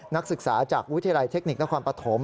นักศึกษาจากวิทยาลัยเทคนิคนครปฐม